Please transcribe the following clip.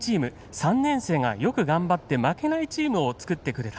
３年生がよく頑張って負けないチームを作ってくれた。